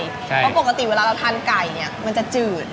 เพราะปกติเวลาเราทานไก่เนี่ยมันจะจืด